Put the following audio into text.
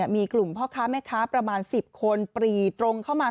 มีกลุ่มพ่อค้าแม่ค้าประมาณ๑๐คนปรีตรงเข้ามา